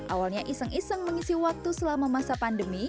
awalnya iseng iseng mengisi waktu selama masa pandemi